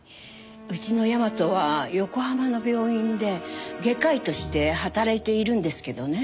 うちの大和は横浜の病院で外科医として働いているんですけどね。